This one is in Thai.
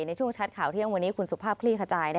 ในช่วงชัดข่าวเที่ยงวันนี้คุณสุภาพคลี่ขจาย